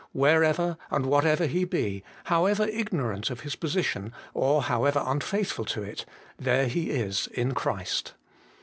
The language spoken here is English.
Wherever and whatever he be, however ignorant of his position or however unfaithful to it, there he is in Christ.